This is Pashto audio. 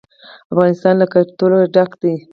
افغانستان له کلتور ډک دی.